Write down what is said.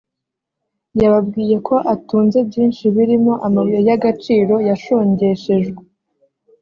yababwiye ko atunze byinshi birimo amabuye y’agaciro yashongeshejwe